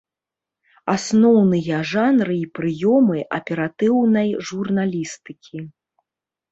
Асноўныя жанры і прыёмы аператыўнай журналістыкі.